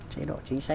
chế độ chính sách